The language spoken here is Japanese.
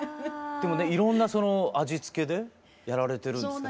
でもねいろんな味付けでやられてるんですか？